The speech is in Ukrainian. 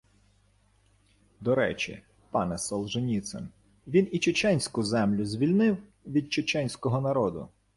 До речі, пане Солженіцин, він і чеченську землю «звільнив» від чеченського народу